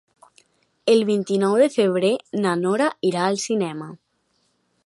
El vint-i-nou de febrer na Nora irà al cinema.